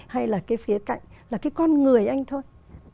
hay là cái khía cạnh là cái con người anh thôi